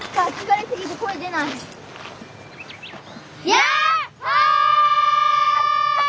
やっほ！